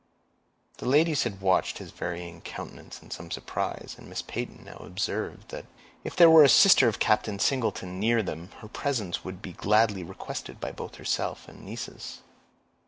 The ladies had watched his varying countenance in some surprise, and Miss Peyton now observed that,— "If there were a sister of Captain Singleton near them, her presence would be gladly requested both by herself and nieces."